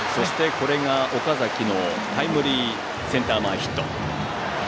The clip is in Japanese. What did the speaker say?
岡崎のタイムリーセンター前ヒット。